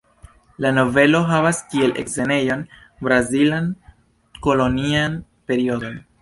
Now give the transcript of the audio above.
La novelo havas kiel scenejon brazilan kolonian periodon.